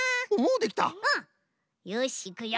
うん！よしいくよ！